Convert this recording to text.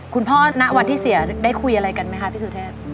ณวันที่เสียได้คุยอะไรกันไหมคะพี่สุเทพ